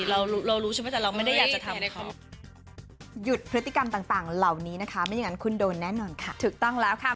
เรารู้ใช่ไหมแต่เราไม่ได้อยากจะทำเขา